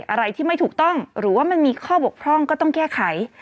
อะไรที่ไม่ถูกต้องหรือว่ามันมีข้อบกพร่องก็ต้องแก้ไข